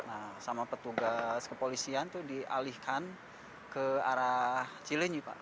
nah sama petugas kepolisian itu dialihkan ke arah cilenyi pak